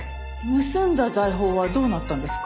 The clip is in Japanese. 盗んだ財宝はどうなったんですか？